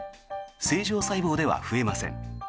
正常細胞では増えません。